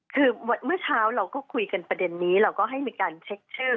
คือเมื่อเช้าเราก็คุยกันประเด็นนี้เราก็ให้มีการเช็คชื่อ